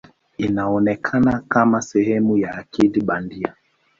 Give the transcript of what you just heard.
Inaonekana kama sehemu ya akili bandia.